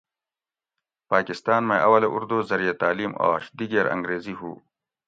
پاکستان مئ اولہ اردو زریعہ تعلیم آش دِگیر انگریزی ہُو۔